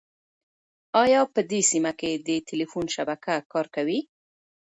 ایا په دې سیمه کې د تېلیفون شبکه کار کوي؟